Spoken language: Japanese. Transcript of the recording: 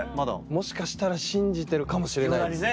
もしかしたら信じてるかもしれないですね。